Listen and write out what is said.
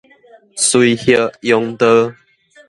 垂葉榕道